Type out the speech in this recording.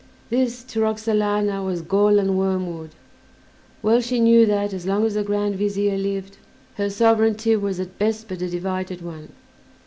This, to Roxalana, was gall and wormwood; well she knew that, as long as the Grand Vizier lived, her sovereignty was at best but a divided one.